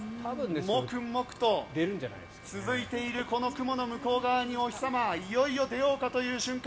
モクモクと続いているこの雲の向こう側にお日様いよいよ出ようかという瞬間